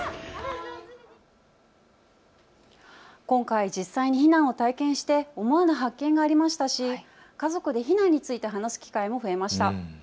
今回、実際に避難を体験して思わぬ発見がありましたし、家族で避難について話す機会も増えました。